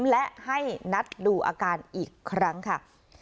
และให้นัดดูอาการอีกครั้งค่ะ